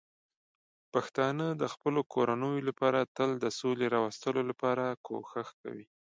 پښتانه د خپلو کورنیو لپاره تل د سولې راوستلو لپاره کوښښ کوي.